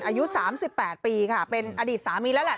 อายุ๓๘ปีค่ะเป็นอดีตสามีแล้วแหละ